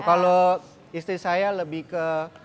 kalau istri saya lebih ke